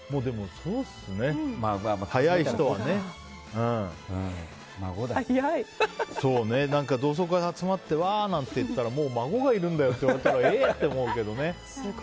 そうね、同窓会で集まってわーなんて言ってたら孫がいるんだよなんて言われたらえーって思うけどね。